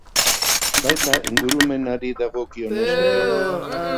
Baita ingurumenari dagokionez ere.